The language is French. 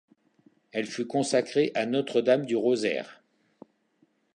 Elle fut consacrée à Notre-Dame du Rosaire.